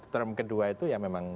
term kedua itu ya memang